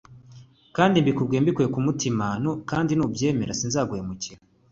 kandi mbikubwiye bimvuye ku mutima ❤ kandi nubyemera sinzaguhemukira